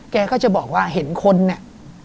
แกก็จะบอกว่าเห็นคนเนี่ย